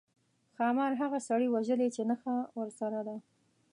ښامار هغه سړي وژلی چې نخښه ورسره ده.